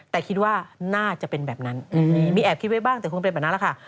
แต่คิดว่าน่าจะเป็นแบบนั้นมีแอบคิดไว้บ้างแต่คงเป็นแบบนั้นแหละค่ะ